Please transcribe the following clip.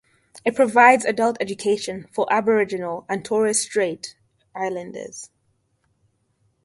It provides adult education for Aboriginal and Torres Strait Islanders.